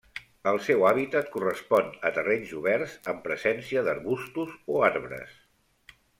El seu hàbitat correspon a terrenys oberts amb presència d'arbustos o arbres.